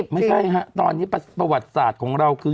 ไม่ใช่ฮะตอนนี้ประวัติศาสตร์ของเราคือ